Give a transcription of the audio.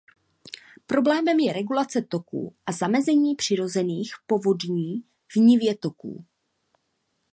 Problémem je regulace toků a zamezení přirozených povodní v nivě toků.